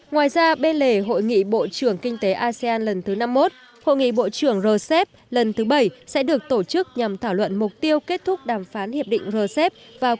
ngoài ra bên lề hội nghị bộ trưởng kinh tế asean lần thứ năm mươi một hội nghị bộ trưởng rcep lần thứ bảy sẽ được tổ chức nhằm thảo luận mục tiêu kết thúc đàm phán hiệp định rcep